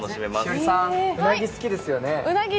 栞里さん、うなぎ好きですよね？